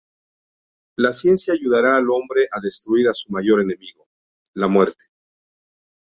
La ciencia ayudará al hombre a destruir a su mayor enemigo: la muerte.